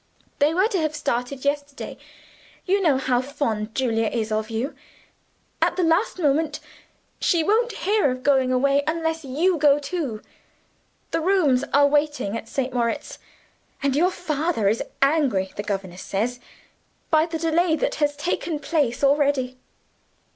They were to have started yesterday. You know how fond Julia is of you. At the last moment, she won't hear of going away, unless you go too. The rooms are waiting at St. Moritz; and your father is annoyed (the governess says) by the delay that has taken place already."